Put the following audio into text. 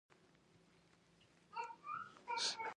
د سر درد لپاره د لیوانډر غوړي وکاروئ